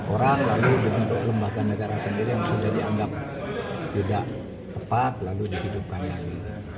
orang lalu dibentuk lembaga negara sendiri yang sudah dianggap tidak tepat lalu dihidupkan lagi